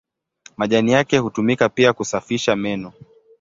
Majani yake hutumika pia kusafisha meno.